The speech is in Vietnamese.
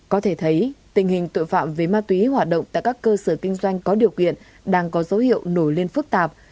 có thể thấy tình hình tội phạm về ma túy hoạt động tại các cơ sở kinh doanh có điều kiện đang có dấu hiệu nổi lên phức tạp